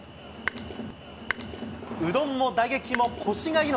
うどんも打撃もこしが命。